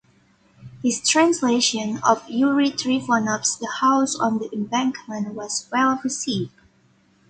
His translation of Yuri Trifonov's "The House on the Embankment" was well received.